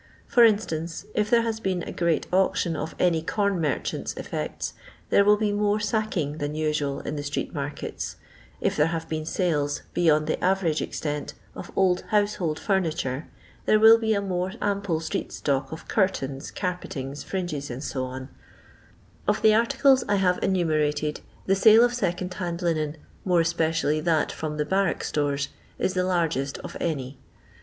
For instance, if there has been a great auction of any corn merchant's effects, there wUl be more sack ing than usual in the street markets ; if there have been sales, beyond the average extent, of old household furniture, there will be a more ample street stock of curtains, carpeting, fringes, &c. Of the articles I have enumerated the sale of second hand linen, more especially that from the barrack stores, is the largest of any.